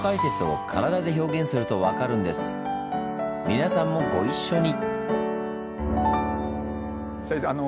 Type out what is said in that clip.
皆さんもご一緒に！